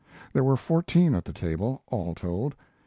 There were fourteen at the table, all told.